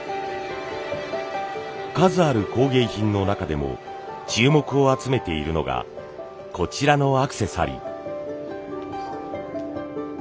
数ある工芸品の中でも注目を集めているのがこちらのアクセサリー。